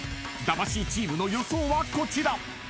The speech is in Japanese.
［魂チームの予想はこちら］